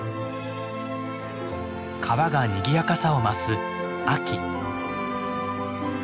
川がにぎやかさを増す秋。